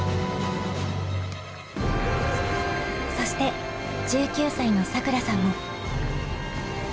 そして１９歳のさくらさんも。